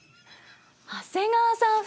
長谷川さん風。